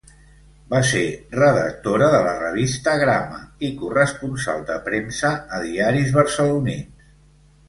Va ser redactora de la revista Grama, i corresponsal de premsa a diaris barcelonins.